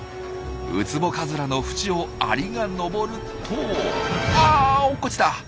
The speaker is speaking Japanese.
ウツボカズラのふちをアリが登るとあ落っこちた！